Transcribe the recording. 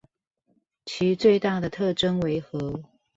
其最大的特徵為何？